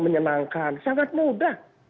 menyenangkan sangat mudah